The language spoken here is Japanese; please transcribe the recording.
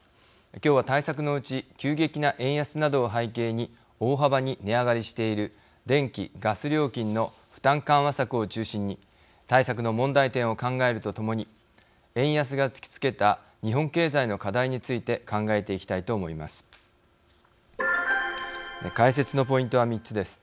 今日は対策のうち急激な円安などを背景に大幅に値上がりしている電気・ガス料金の負担緩和策を中心に対策の問題点を考えるとともに円安が突きつけた日本経済の課題について考えていきたいと思います。